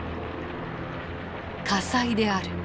火災である。